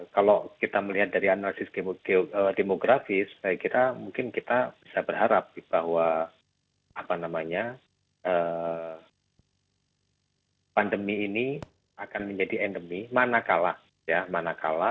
kalau kita melihat dari analisis demografis saya kira mungkin kita bisa berharap bahwa pandemi ini akan menjadi endemi mana kalah